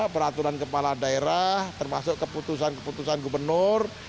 peraturan kepala daerah termasuk keputusan keputusan gubernur